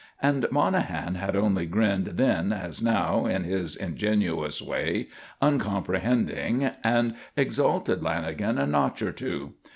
And Monahan had only grinned then as now, in his ingenuous way, uncomprehending, and exalted Lanagan a notch or two.